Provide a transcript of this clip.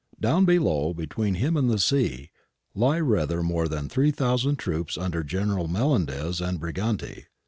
Down below, between him and the sea, lay rather more than 3000 troops under Generals Melendez and Briganti.